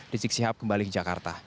rizik sihab kembali ke jakarta